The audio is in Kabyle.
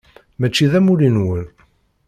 Mačči d amulli-nwen.